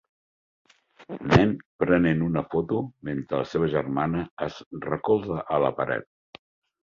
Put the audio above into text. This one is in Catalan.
Nen prenent una foto mentre la seva germana es recolza a la paret.